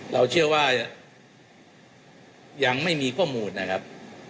เราเชื่อว่ายังไม่มีข้อมูลนะครับ